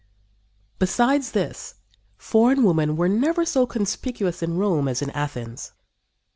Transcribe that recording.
Besides this, foreign women were never so conspicuous in Rome as in Athens.